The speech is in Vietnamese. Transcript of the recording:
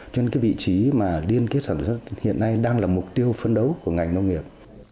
cho nên cái vị trí mà liên kết sản xuất hiện nay đang là mục tiêu phấn đấu của ngành nông nghiệp